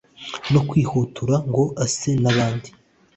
no kwihutura ngo ase n'abandi